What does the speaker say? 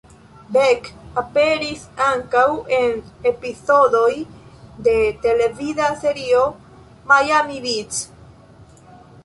Beck aperis ankaŭ en epizodoj de televida serio "Miami Vice".